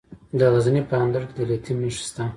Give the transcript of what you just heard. د غزني په اندړ کې د لیتیم نښې شته.